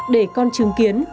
để con chứng kiến